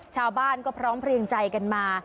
ชาวบ้านก็พร้อมเพลียงใจกันมา